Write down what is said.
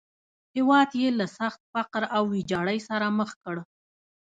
هېواد یې له سخت فقر او ویجاړۍ سره مخ کړ.